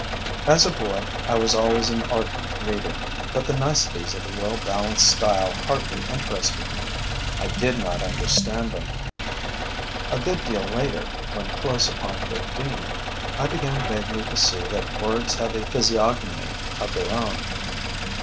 As a boy, I was always an ardent reader; but the niceties of a well balanced style hardly interested me: I did not understand them. A good deal later, when close upon fifteen, I began vaguely to see that words have a physiognomy of their own.